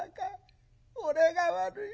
俺が悪い。